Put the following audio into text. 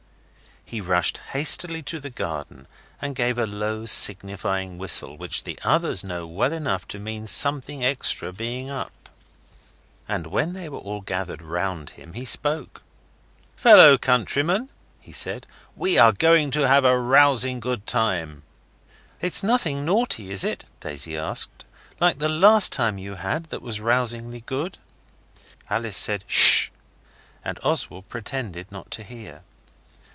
He rushed hastily to the garden and gave a low, signifying whistle, which the others know well enough to mean something extra being up. And when they were all gathered round him he spoke. 'Fellow countrymen,' he said, 'we're going to have a rousing good time.' 'It's nothing naughty, is it,' Daisy asked, 'like the last time you had that was rousingly good?' Alice said 'Shish', and Oswald pretended not to hear.